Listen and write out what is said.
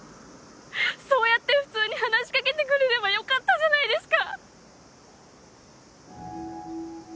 そうやって普通に話しかけてくれればよかったじゃないですか。